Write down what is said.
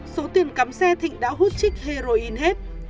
số tiền cắm xe thịnh đã hút trích heroin hết